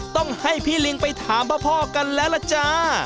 ต้องให้พี่ลิงไปถามพ่อกันแล้วล่ะจ้า